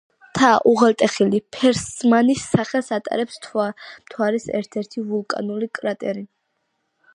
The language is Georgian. მთა, უღელტეხილი; ფერსმანის სახელს ატარებს მთვარის ერთ-ერთი ვულკანური კრატერი.